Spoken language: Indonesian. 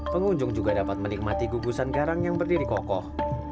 pengunjung juga dapat menikmati gugusan garang yang berdiri kokoh